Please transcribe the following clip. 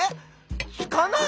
つかない。